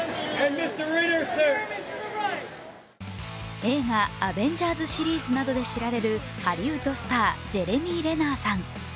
映画「アベンジャーズ」シリーズなどで知られるハリウッドスター、ジェレミー・レナーさん。